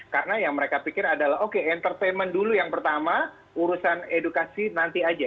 karena yang mereka pikir adalah oke entertainment dulu yang pertama urusan edukasi nanti aja